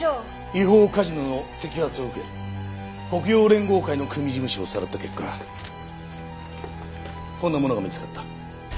違法カジノの摘発を受け黒洋連合会の組事務所をさらった結果こんなものが見つかった。